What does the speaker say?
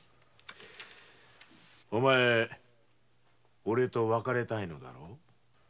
お前俺と別れたいんだろう？